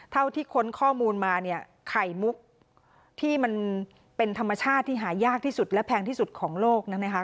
ที่ค้นข้อมูลมาเนี่ยไข่มุกที่มันเป็นธรรมชาติที่หายากที่สุดและแพงที่สุดของโลกนะคะ